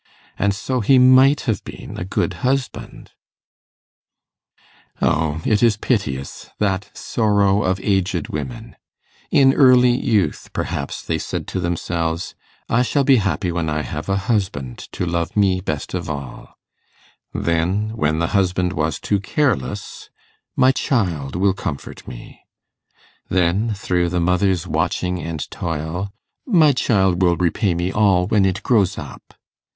And so he might have been a good husband.' O it is piteous that sorrow of aged women! In early youth, perhaps, they said to themselves, 'I shall be happy when I have a husband to love me best of all'; then, when the husband was too careless, 'My child will comfort me'; then, through the mother's watching and toil, 'My child will repay me all when it grows up.